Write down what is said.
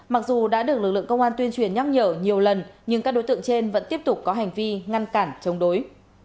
mặc dù đã được lực lượng công an tuyên truyền nhắc nhở nhiều lần nhưng các đối tượng trên vẫn tiếp tục có hành vi ngăn cản chống đối